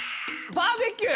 バーベキュー！